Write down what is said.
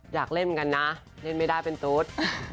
อยากเล่นเหมือนกันนะเล่นไม่ได้เป็นตุ๊ด